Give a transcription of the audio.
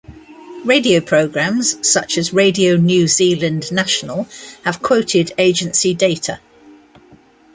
Radio programmes such as "Radio New Zealand National" have quoted agency data.